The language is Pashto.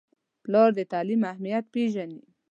پلار د تعلیم اهمیت پیژني.